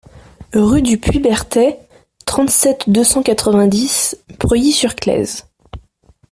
Rue du Puits Berthet, trente-sept, deux cent quatre-vingt-dix Preuilly-sur-Claise